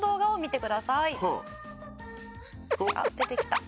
「出てきた」